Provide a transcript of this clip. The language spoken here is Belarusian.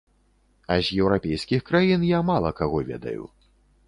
А з еўрапейскіх краін я мала каго ведаю.